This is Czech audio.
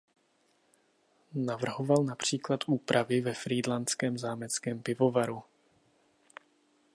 Navrhoval například úpravy ve frýdlantském Zámeckém pivovaru.